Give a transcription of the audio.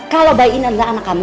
kalau bayi ini adalah anak kamu